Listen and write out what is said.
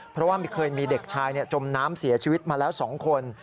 เพราะว่าเคยมีเด็กชายจมน้ำเสียชีวิตมาแล้ว๒คน